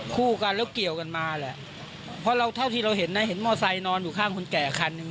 คู่กันแล้วเกี่ยวกันมาแหละเพราะเราเท่าที่เราเห็นนะเห็นมอไซค์นอนอยู่ข้างคนแก่คันหนึ่ง